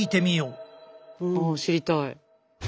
うん知りたい！